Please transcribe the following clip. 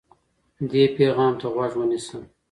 دې پيغام ته غوږ ونيسه.